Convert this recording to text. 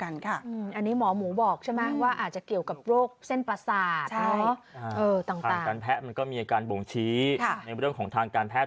ในการบ่งชี้ในเรื่องของทางการแพทย์